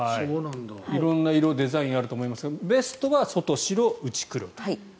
色んな色、デザインがあると思いますがベストは白、内黒と。